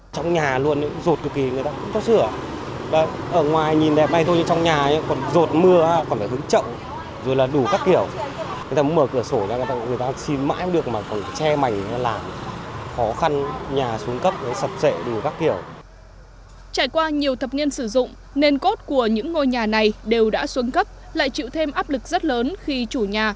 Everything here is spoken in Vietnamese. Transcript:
trải qua nhiều thập nghiên sử dụng nền cốt của những ngôi nhà này đều đã xuân cấp lại chịu thêm áp lực rất lớn khi chủ nhà